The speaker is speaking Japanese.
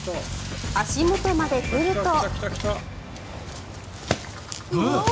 足元まで来ると。